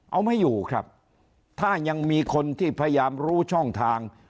เอาไม่อยู่ครับถ้ายังมีคนที่พยายามรู้ช่องทาง